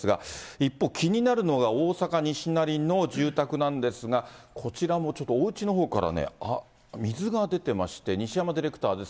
一方、気になるのが大阪・西成の住宅なんですが、こちらもちょっとおうちのほうからね、水が出てまして、西山ディレクターです。